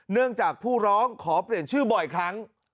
เนื่องจากผู้ร้องขอเปลี่ยนชื่อบ่อยครั้ง